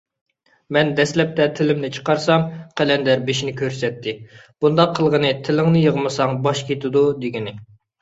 مەن دەسلەپتە تىلىمنى چىقارسام، قەلەندەر بېشىنى كۆرسەتتى. بۇنداق قىلغىنى «تىلىڭنى يىغمىساڭ، باش كېتىدۇ» دېگىنى.